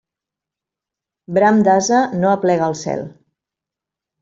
Bram d'ase no aplega al cel.